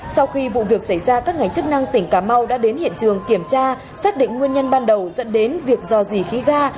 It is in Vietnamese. sau khi vụ việc xảy ra các ngành chức năng tỉnh cà mau đã đến hiện trường kiểm tra xác định nguyên nhân ban đầu dẫn đến việc do dì khí ga